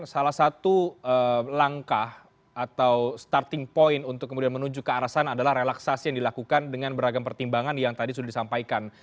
salah satu langkah atau starting point untuk kemudian menuju ke arah sana adalah relaksasi yang dilakukan dengan beragam pertimbangan yang tadi sudah disampaikan